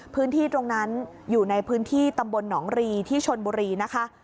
พื้นที่ตรงนั้นอยู่ในพื้นที่ตำบลหนองรีที่ชนบุรีนะคะ